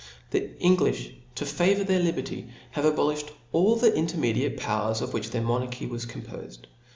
The Englifli, to favour their liberty, have abo^ lilhed all the intermediate powers of which their monarchy was compofed.